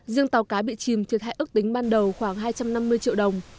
riêng tàu cá bị chìm thiệt hại ước tính ban đầu khoảng hai trăm năm mươi triệu đồng